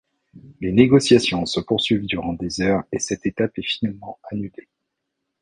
Les négociations se poursuivent durant des heures et cette étape est finalement annulée.